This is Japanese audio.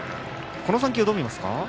この３球をどう見ますか？